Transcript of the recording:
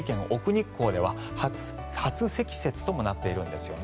日光では初積雪ともなっているんですよね。